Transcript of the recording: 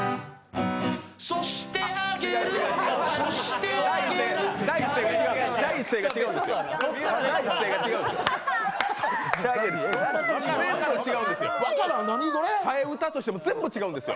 そして揚げるそして揚げる第一声が違うんですよ。